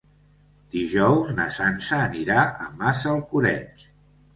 Dijous na Sança anirà a Massalcoreig.